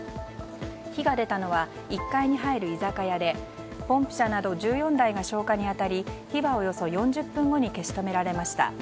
火が出たのは１階に入る居酒屋でポンプ車など１４台が消火に当たり火はおよそ４０分後に消し止められました。